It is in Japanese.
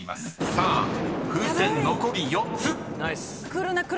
さあ風船残り４つ］